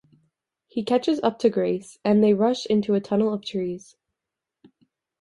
He catches up to Grace, and they rush into a tunnel of trees.